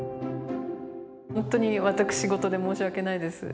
本当に私事で申し訳ないです。